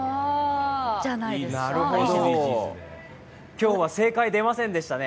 今日は正解、出ませんでしたね。